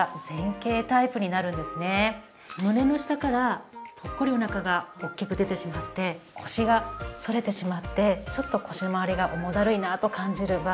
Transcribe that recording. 胸の下からポッコリお腹が大きく出てしまって腰が反れてしまってちょっと腰まわりが重だるいなと感じる場合もあります。